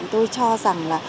tôi cho rằng là